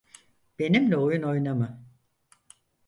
Benimle oyun oynama.